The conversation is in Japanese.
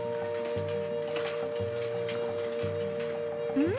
うん？